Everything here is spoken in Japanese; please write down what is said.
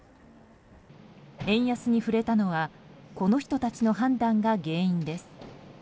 円安に振れたのはこの人たちの判断が原因です。